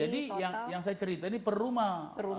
jadi yang saya cerita ini per rumah